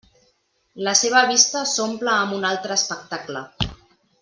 La seva vista s'omple amb un altre espectacle.